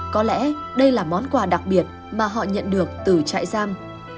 có lẽ đây là món quà đặc biệt mà họ nhận được từ trại giam